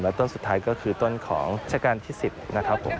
และต้นสุดท้ายก็คือต้นของราชการที่๑๐นะครับผม